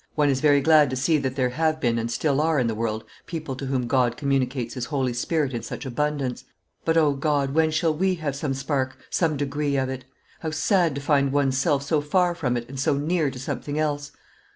One is very glad to see that there have been and still are in the world people to whom God communicates His Holy Spirit in such abundance; but, O God! when shall we have some spark, some degree of it? How sad to find one's self so far from it, and so near to something else!